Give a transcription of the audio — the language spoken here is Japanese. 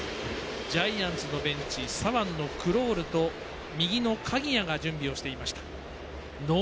ジャイアンツのベンチ左腕のクロールと右の鍵谷が準備をしていました。